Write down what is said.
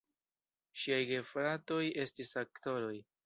Ŝiaj gefratoj estis aktoroj.